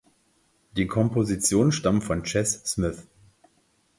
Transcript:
Die Kompositionen stammen von Ches Smith.